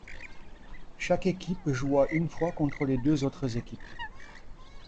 Chaque équipe joua une fois contre les deux autres équipes.